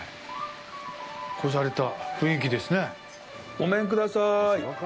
ごめんください。